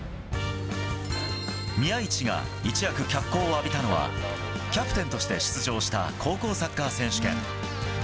宮市が一躍脚光を浴びたのは、キャプテンとして出場した高校サッカー選手権。